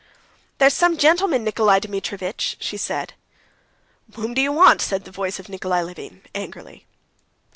"There's some gentleman, Nikolay Dmitrievitch," she said. "Whom do you want?" said the voice of Nikolay Levin, angrily.